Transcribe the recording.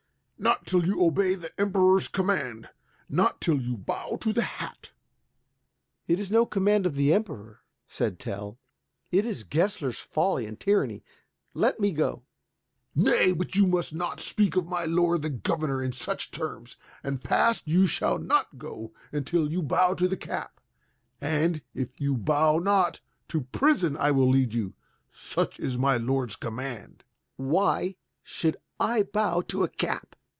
"Not till you obey the Emperor's command. Not till you bow to the hat." "It is no command of the Emperor," said Tell. "It is Gessler's folly and tyranny. Let me go." "Nay, but you must not speak of my lord the governor in such terms. And past you shall not go until you bow to the cap. And, if you bow not, to prison I will lead you. Such is my lord's command." "Why should I bow to a cap?"